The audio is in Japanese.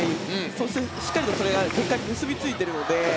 そしてしっかりとそれが結果に結びついているので。